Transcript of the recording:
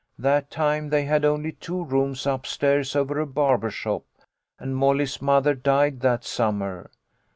That time they had only two rooms up stairs over a barber shop, and Molly's mother died that summer.